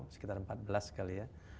sekitar empat belas kali ya